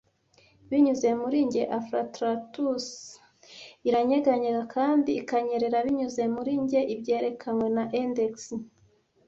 Binyuze muri njye afflatus iranyeganyega kandi ikanyerera, binyuze muri njye ibyerekanwe na index.